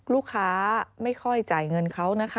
ลูกค้าไม่ค่อยจ่ายเงินเขานะคะ